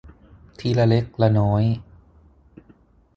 ทีละเล็กละน้อย